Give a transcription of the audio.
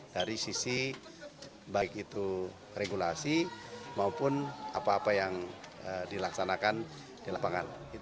dari sisi baik itu regulasi maupun apa apa yang dilaksanakan di lapangan